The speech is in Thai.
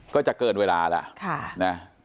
ก็จะเกินเวลาแล้ว